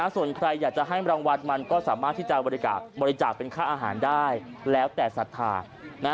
ส่วนใครอยากจะให้รางวัลมันก็สามารถที่จะบริจาคเป็นค่าอาหารได้แล้วแต่ศรัทธา